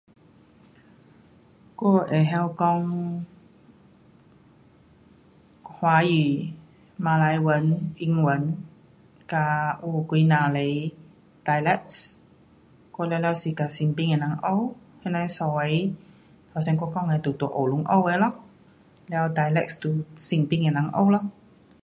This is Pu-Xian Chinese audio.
我会晓讲华语，马来文，英文，跟有几呐个 dialects, 我全部是跟身边的人学，些那个三个头先我讲的就在学堂学的，了 dialects 就身边的人学咯。